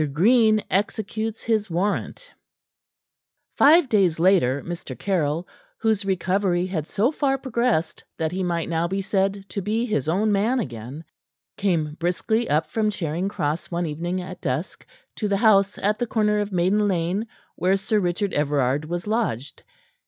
GREEN EXECUTES HIS WARRANT Five days later, Mr. Caryll whose recovery had so far progressed that he might now be said to be his own man again came briskly up from Charing Cross one evening at dusk, to the house at the corner of Maiden Lane where Sir Richard Everard was lodged.